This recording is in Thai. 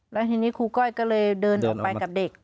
แล้วทีนี้ครูก้อยก็เลยเดินออกไปกับเด็ก